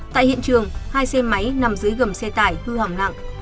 tại hiện trường hai xe máy nằm dưới gầm xe tải hư hỏng nặng